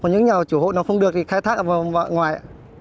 còn những nhà chủ hộ nào không được thì khai thác ở ngoài